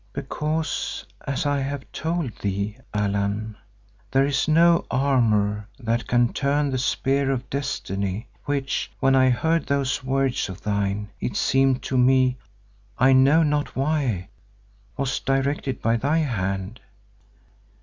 "Because as I have told thee, Allan, there is no armour that can turn the spear of Destiny which, when I heard those words of thine, it seemed to me, I know not why, was directed by thy hand.